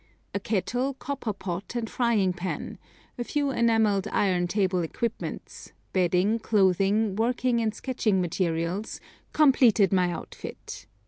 A kettle, copper pot, and frying pan, a few enamelled iron table equipments, bedding, clothing, working and sketching materials, completed my outfit.